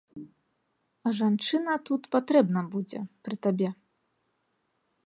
А жанчына тут патрэбна будзе, пры табе.